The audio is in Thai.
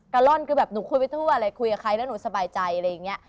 ล่อนคือแบบหนูคุยไปทั่วเลยคุยกับใครแล้วหนูสบายใจอะไรอย่างนี้